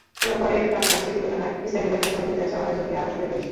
পরে গাবখান সেতু এলাকায় স্থানীয় ব্যক্তিদের সহযোগিতায় ছয়জনকে আটক করে পুলিশ।